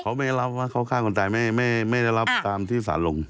เขาไม่ได้รับว่าเขาฆ่าคนตายไม่ได้รับตามที่สารลง